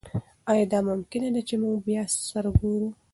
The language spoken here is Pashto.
ایا دا ممکنه ده چې موږ بیا سره وګورو؟